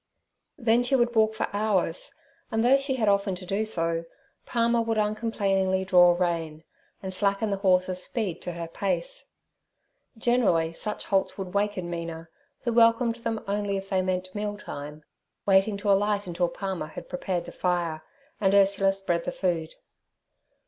Then she would walk for hours, and though she had often to do so, Palmer would uncomplainingly draw rein, and slacken the horses' speed to her pace. Generally such halts would waken Mina, who welcomed them only if they meant meal time, waiting to alight till Palmer had prepared the fire, and Ursula spread the food.